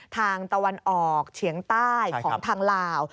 ทางตะวันออกเฉียงใต้ของทางลาว